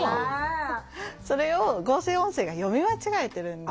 それを合成音声が読み間違えてるんです。